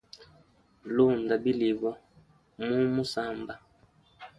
Lunda bilibwa mu musamba.